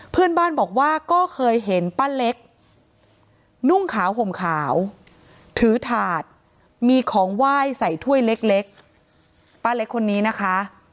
เพื่อนบ้านบอกว่าก็เคยเห็นป้าเล็กนุ่งขาวห่มขาวถือถาดมีของไหว้ใส่ถ้วยเล็กป้าเล็กคนนี้นะคะ